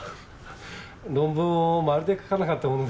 論文をまるで書かなかったものですから。